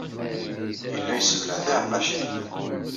Yella yesseblaɛ tiɛeqqacin.